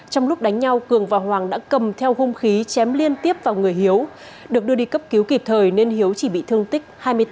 trong lúc đánh nhau cường và hoàng đã cầm theo hung khí chém liên tiếp vào người hiếu được đưa đi cấp cứu kịp thời nên hiếu chỉ bị thương tích hai mươi bốn